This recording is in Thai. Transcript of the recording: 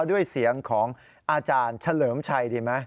ด้วยเสียงของอาจารย์เฉลิมชัยดีไหม